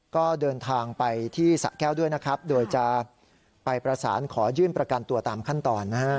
ก็เดินทางไปที่สะแก้วด้วยนะครับโดยจะไปประสานขอยื่นประกันตัวตามขั้นตอนนะฮะ